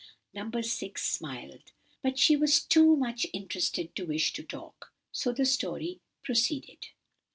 No. 6 smiled, but she was too much interested to wish to talk; so the story proceeded.